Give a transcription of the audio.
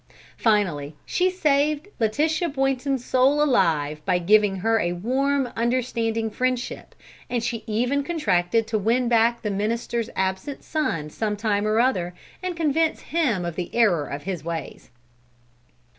Finally, she saved Letitia Boynton's soul alive by giving her a warm, understanding friendship, and she even contracted to win back the minister's absent son some time or other, and convince him of the error of his ways.